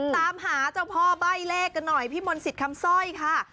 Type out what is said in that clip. ตามหาเจ้าพ่อใบ้เลขกันหน่อยพี่มนต์สิทธิ์คำสร้อยค่ะ